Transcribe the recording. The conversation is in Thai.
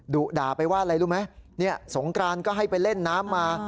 ดุด่าไปว่าอะไรรู้ไหมเนี่ยสงกรานก็ให้ไปเล่นน้ำมา